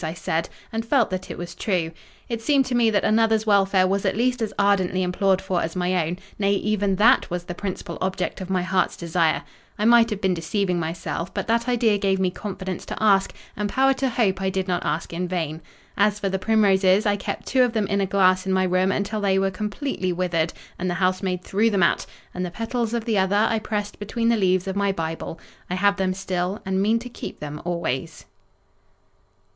I said, and felt that it was true. It seemed to me that another's welfare was at least as ardently implored for as my own; nay, even that was the principal object of my heart's desire. I might have been deceiving myself; but that idea gave me confidence to ask, and power to hope I did not ask in vain. As for the primroses, I kept two of them in a glass in my room until they were completely withered, and the housemaid threw them out; and the petals of the other I pressed between the leaves of my Bible—I have them still, and mean to keep them always.